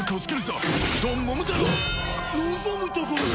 望むところだ！